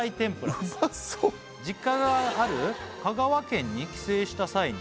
うまそう「実家がある香川県に帰省した際に」